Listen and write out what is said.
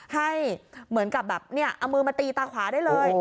ให้เหมือนกับแบบเอามือมาตีตาขวาได้เลย